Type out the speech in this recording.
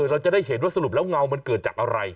เราจะได้เห็นว่าสรุปแล้วเงามันเกิดจากอะไร